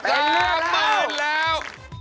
เป็นเลือกมืดแล้ว